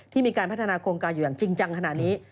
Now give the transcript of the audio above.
มีการพัฒนาโครงการอยู่อย่างจริงจังขนาดนี้